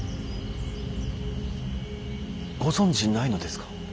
ご存じないのですか。